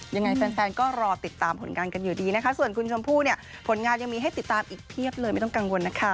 ยังไงแฟนก็รอติดตามผลงานกันอยู่ดีนะคะส่วนคุณชมพู่เนี่ยผลงานยังมีให้ติดตามอีกเพียบเลยไม่ต้องกังวลนะคะ